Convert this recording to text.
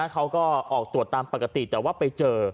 เขาก็ออกตรวจตามปกติแต่ว่าไปเจอ